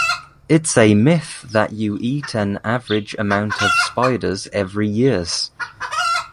It’s a myth that you eat an average amount of spiders every years.